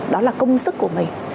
đó là công sức của mình